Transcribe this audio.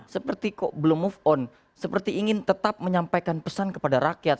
seperti kok belum move on seperti ingin tetap menyampaikan pesan kepada rakyat